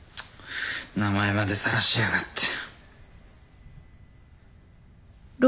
名前までさらしやがって。